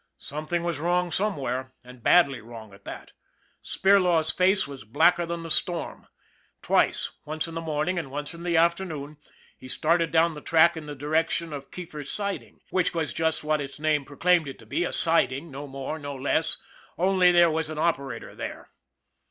Something was wrong somewhere and badly wrong at that. Spirlaw's face was blacker than the storm. Twice, once in the morning and once in the afternoon, he started down the track in the direc tion of Keefer's Siding, which was just what its name proclaimed it to be a siding, no more, no less, only there was an operator there.